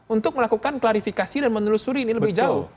untuk melakukan klarifikasi dan menelusuri ini lebih jauh